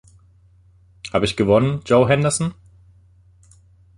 Habe ich gewonnen, Joe Henderson?